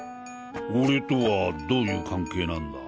俺とはどういう関係なんだ？